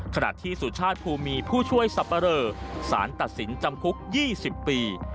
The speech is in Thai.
ขณะที่สุชาติภูมีผู้ช่วยสับปะเรอสารตัดสินจำคุก๒๐ปี